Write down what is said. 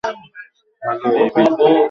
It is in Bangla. হ্যালো, ইবি।